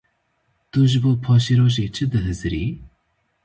Tu ji bo paşerojê çi dihizirî?